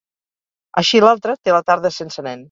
Així l'altra té la tarda sense nen.